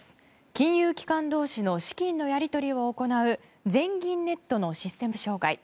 金融機関同士の資金のやり取りを行う全銀ネットのシステム障害。